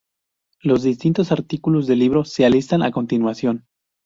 Los distintos artículos del libro se listan a continuación.